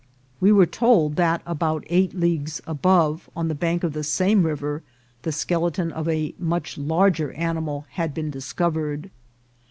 We were told that about eight leagues above, on the bank of the same river, the skeleton of a much larger animal had been discovered.